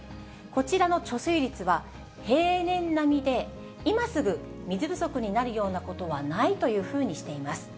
こちらの貯水率は平年並みで、今すぐ水不足になるようなことはないというふうにしています。